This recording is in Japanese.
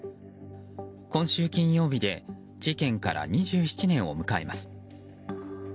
今週金曜日で事件から２７年を迎えます。